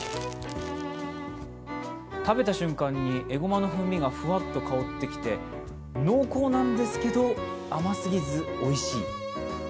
食べた瞬間に、えごまの風味がふわっと香ってきて濃厚なんですけれども、甘すぎずおいしい。